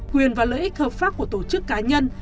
quyền và lợi ích hợp pháp của tổ chức cá nhân